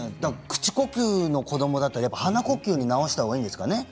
口呼吸の子どもだったら鼻呼吸に直したほうがいいんですかね？